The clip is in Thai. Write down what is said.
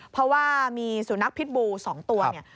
เพราะว่ามีสุนัขพิษบู๒ตัวเนี่ย